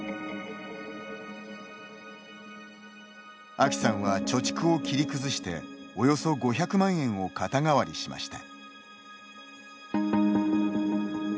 あきさんは貯蓄を切り崩しておよそ５００万円を肩代わりしました。